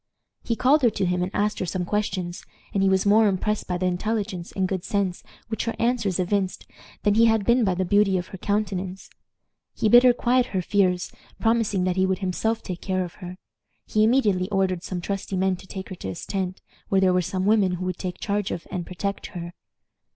He called her to him and asked her some questions; and he was more impressed by the intelligence and good sense which her answers evinced than he had been by the beauty of her countenance. He bid her quiet her fears, promising that he would himself take care of her. He immediately ordered some trusty men to take her to his tent, where there were some women who would take charge of and protect her.